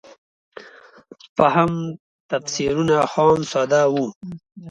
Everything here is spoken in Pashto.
فهم تفسیرونه خام ساده وو.